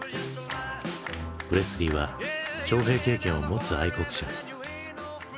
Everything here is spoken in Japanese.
プレスリーは徴兵経験を持つ愛国者。